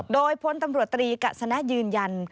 โดยพลตำรวจตรีกัศนะยืนยัน